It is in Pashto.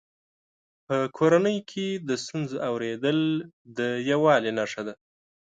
په کورنۍ کې د ستونزو اورېدل د یووالي نښه ده.